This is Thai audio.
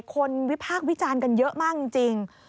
คนวิภาควิจารณ์กันเยอะมากจริง